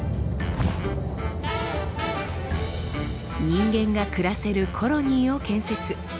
人間が暮らせるコロニーを建設。